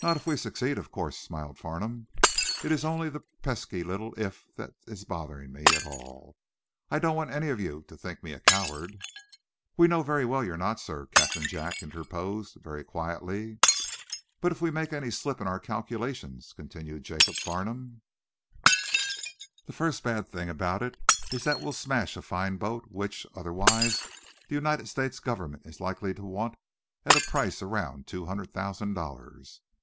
"Not if we succeed, of course," smiled Farnum. "It's only the pesky little 'if' that's bothering me at all. I don't want any of you to think me a coward " "We know, very well, you're not, sir," Captain Jack interposed, very quietly. "But if we make any slip in our calculations," continued Jacob Farnum, "the first bad thing about it is that we'll smash a fine boat which, otherwise, the United States Government is likely to want at a price around two hundred thousand dollars.